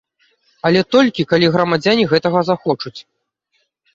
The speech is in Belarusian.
Але толькі калі грамадзяне гэтага захочуць.